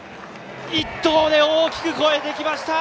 １投で大きく超えてきました。